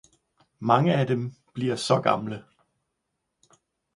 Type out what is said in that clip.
mange af dem bleve saa gamle.